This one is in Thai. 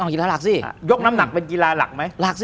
ต้องกีฬาหลักซึ้กีฬาหลักซึ้ยยกน้ำหนักมารถึงกีฬาหลักขาด